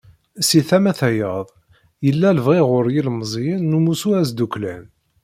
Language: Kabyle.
Si tama tayeḍ, yella lebɣi ɣur yilemẓiyen n umussu asdukklan.